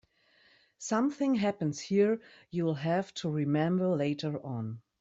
Something happens here you'll have to remember later on.